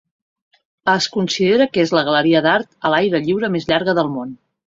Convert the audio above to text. Es considera que és la galeria d'art a l'aire lliure més llarga del món.